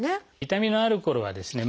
痛みのあるころはですね